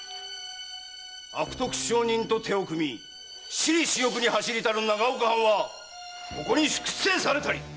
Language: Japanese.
悪徳商人と手を組み私利私欲に走りたる長岡藩はここに粛正されたり！